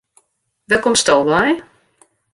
Wêr komsto wei?